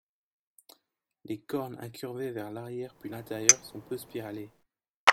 Les cornes incurvées vers l'arrière puis l'intérieur, sont peu spiralées.